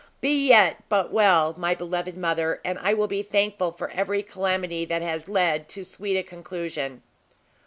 be yet but well, my beloved mother, and I will be thankful for every calamity that has led to so sweet a conclusion!"